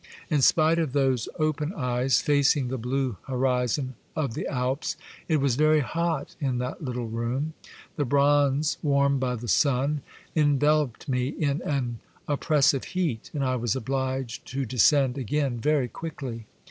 In spite of those open eyes facing the blue horizon of the Alps, it was very hot in that little room. The bronze, 324 Monday Tales, warmed by the sun, enveloped me in an oppres sive heat, and I was obHged to descend again very quickly.